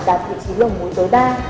đạt vị trí lượng mối tối đa